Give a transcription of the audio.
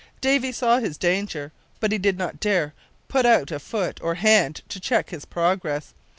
Davy saw his danger, but he did not dare to put out foot or hand to check his progress.